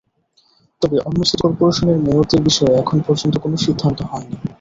তবে অন্য সিটি করপোরেশনের মেয়রদের বিষয়ে এখন পর্যন্ত কোনো সিদ্ধান্ত হয়নি।